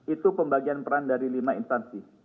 itu pembagian peran dari lima instansi